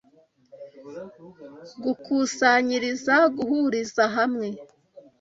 Gukusanyiriza: guhuriza hamwe